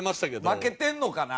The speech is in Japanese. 負けてんのかな？